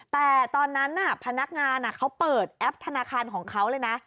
แต่ตอนนั้นพนักงานเขาเปิดแอปธนาคารของเขาเลยนะ